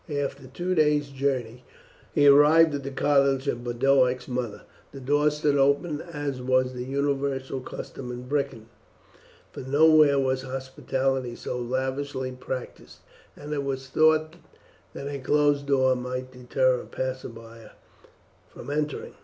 After two days' journey he arrived at the cottage of Boduoc's mother. The door stood open as was the universal custom in Britain, for nowhere was hospitality so lavishly practised, and it was thought that a closed door might deter a passerby from entering.